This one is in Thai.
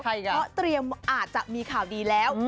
เพราะเตรียมอาจจะมีข่าวดีแล้ว